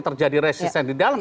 terjadi resistensi di dalam